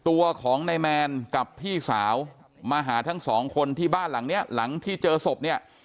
ตัวของนายแมนกับพี่สาวมาหาทั้งสองคนที่บ้านหลังเนี้ยหลังที่เจอศพเนี่ย